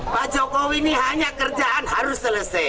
pak jokowi ini hanya kerjaan harus selesai